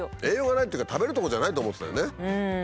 栄養がないっていうか食べるとこじゃないと思ってたよね。